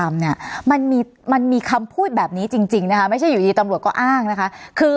มันมีมันมีคำพูดแบบนี้จริงนะคะไม่ใช่อยู่ดีตำรวจก็อ้างนะคะคือ